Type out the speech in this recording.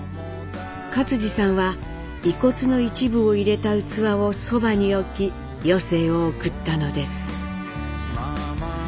克爾さんは遺骨の一部を入れた器をそばに置き余生を送ったのです。